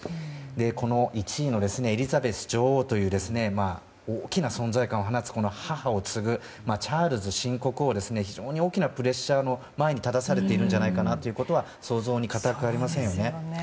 この１位のエリザベス女王という大きな存在感を放つ母を継ぐチャールズ新国王は非常に大きなプレッシャーの前に立たされているんじゃないかなということは想像に難くありませんよね。